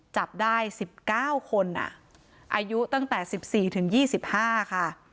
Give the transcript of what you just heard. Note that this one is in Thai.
จับได้สิบเก้าคนอ่ะอายุตั้งแต่สิบสี่ถึงยี่สิบห้าค่ะ